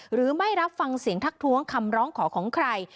ไม่รับฟังเสียงทักท้วงคำร้องขอของใคร